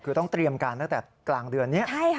คือต้องเตรียมการตั้งแต่กลางเดือนนี้